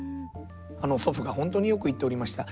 祖父が本当によく言っておりました。